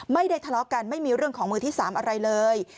ไม่ได้ทะเลาะกันไม่มีเรื่องของมือที่๓อะไรเลย